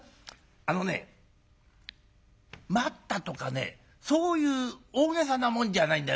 あのね『待った』とかねそういう大げさなもんじゃないんだよ。